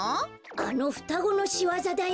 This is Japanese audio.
あのふたごのしわざだよ！